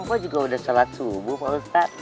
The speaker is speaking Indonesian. bapak juga udah sholat subuh pak ustadz